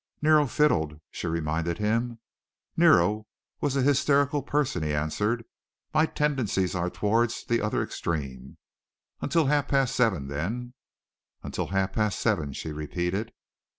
"Nero fiddled," she reminded him. "Nero was a hysterical person," he answered. "My tendencies are towards the other extreme. Until half past seven, then." "Until half past seven," she repeated.